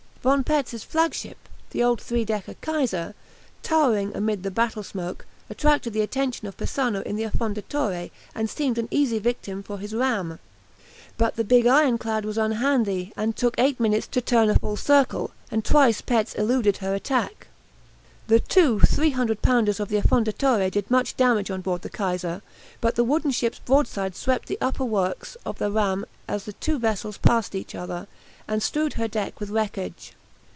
Von Petz's flagship, the old three decker "Kaiser," towering amid the battle smoke, attracted the attention of Persano in the "Affondatore," and seemed an easy victim for his ram. But the big ironclad was unhandy, and took eight minutes to turn a full circle, and twice Petz eluded her attack. The two 300 pounders of the "Affondatore" did much damage on board the "Kaiser," but the wooden ship's broadside swept the upper works of the ram as the two vessels passed each other, and strewed her deck with wreckage.